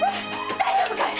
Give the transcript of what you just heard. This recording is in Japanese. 大丈夫かい⁉